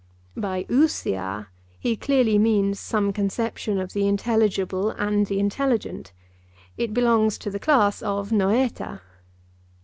By (Greek) he clearly means some conception of the intelligible and the intelligent; it belongs to the class of (Greek).